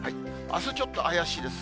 あすちょっと怪しいです。